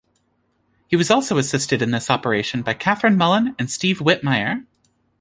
He was also assisted in this operation by Kathryn Mullen and Steve Whitmire.